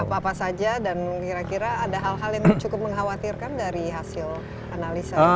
apa apa saja dan kira kira ada hal hal yang cukup mengkhawatirkan dari hasil analisa